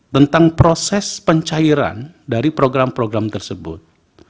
tentang proses pencairan dari program program tersebut